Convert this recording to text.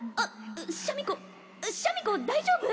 シャミ子シャミ子大丈夫？